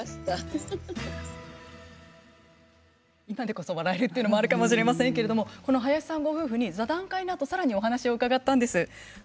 今でこそ笑えるというのがあるかもしれませんけれども、この林さんご夫婦に座談会のあとさらにお話を伺ったんです。